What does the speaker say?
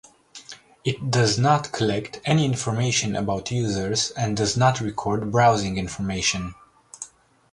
It does not collect any information about users and does not record browsing information.